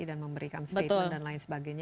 dan memberikan statement dan lain sebagainya